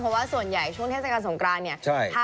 เพราะว่าส่วนใหญ่ช่วงเทศกาลสงกรานเนี่ย